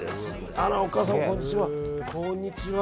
あら、お母さん、こんにちは。